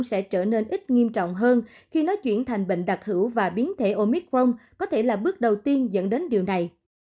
sẽ trở nên ít nghiêm trọng hơn khi nó chuyển thành bệnh đặc hữu và biến thể omicron có thể là bước đầu tiên dẫn đến điều này